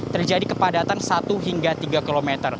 terjadi kepadatan satu hingga tiga km